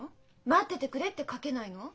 「待っててくれ」って書けないの？